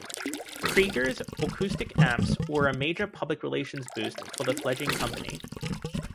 Krieger's Acoustic amps were a major public-relations boost for the fledgling company.